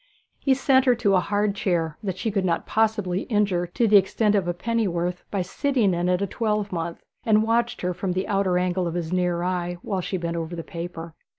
He sent her to a hard chair that she could not possibly injure to the extent of a pennyworth by sitting in it a twelvemonth, and watched her from the outer angle of his near eye while she bent over the paper.